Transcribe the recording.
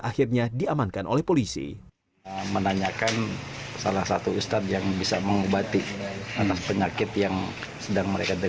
akhirnya diamankan oleh polisi menanyakan salah satu ustadz yang bisa mengobati anak penyakit yang sedang mereka